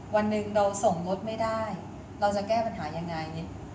วันหนึ่งเราส่งรถไม่ได้เราจะแก้ปัญหายังไง